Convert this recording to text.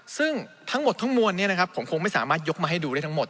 ซึ่งทั้งหมดทั้งมวลนี้นะครับผมคงไม่สามารถยกมาให้ดูได้ทั้งหมด